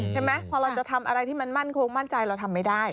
ใช่ไหมพอเราจะทำอะไรที่มันมั่นคงมั่นใจเราทำไม่ได้